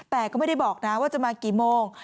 แต่ก็ไม่ได้บอกนะว่าจะมากี่โมง